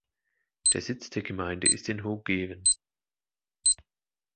Der Sitz der Gemeinde ist in Hoogeveen.